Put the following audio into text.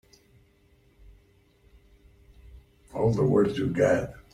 All the words you've got.